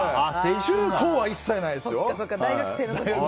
中高は一切ないですよ。